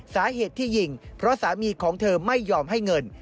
สาเหตุที่ยิงเพราะสามีของเธอไม่ยอมให้เงิน